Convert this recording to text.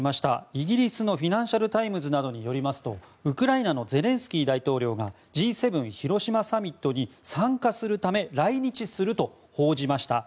イギリスのフィナンシャル・タイムズなどによりますとウクライナのゼレンスキー大統領がＧ７広島サミットに参加するため来日すると報じました。